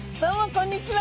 こんにちは。